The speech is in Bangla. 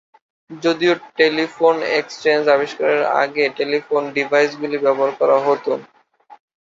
যদিও টেলিফোন এক্সচেঞ্জ আবিষ্কারের আগে টেলিফোন ডিভাইসগুলি ব্যবহার করা হত।